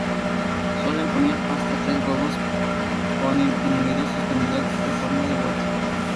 Suelen poner hasta tres huevos ponen en un nido suspendido en forma de bolsa.